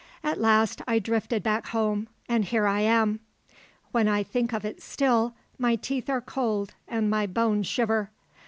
At last I drifted back home and here I am. "When I think of it still, my teeth are cold and my bones shiver.